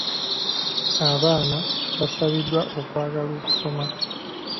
Abaana basabiddwa okwagala okusoma.